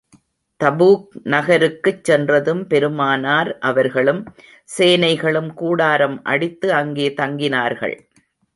Tabuk நகருக்குச் சென்றதும் பெருமானார் அவர்களும், சேனைகளும் கூடாரம் அடித்து, அங்கே தங்கினார்கள்.